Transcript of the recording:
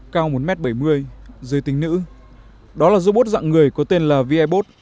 cao một m bảy mươi giới tính nữ đó là robot dạng người có tên là vi bot